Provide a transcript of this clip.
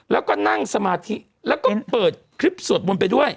แล้วก็นั่งสมาธิแล้วก็เปิดคลิปสวดมนต์ไปด้วย